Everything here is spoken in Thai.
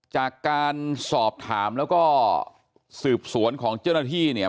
จากการสอบถามแล้วก็สืบสวนของเจ้าหน้าที่เนี่ย